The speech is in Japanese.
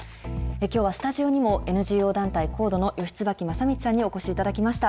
きょうはスタジオにもＮＧＯ団体ＣＯＤＥの吉椿雅道さんにお越しいただきました。